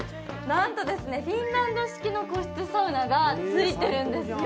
なんとフィンランド式の個室サウナがついてるんですよ。